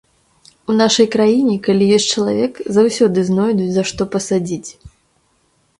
У нашай краіне, калі ёсць чалавек, заўсёды знойдуць, за што пасадзіць.